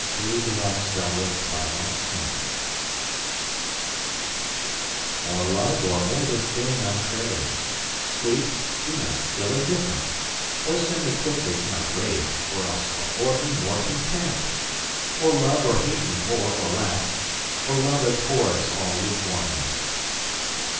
c. 1678 403. Against Indifference MORE love or more disdain I crave; Sweet, be not still indifferent: O send me quickly to my grave, Or else afford me more content! Or love or hate me more or less, 5 For love abhors all lukewarmness.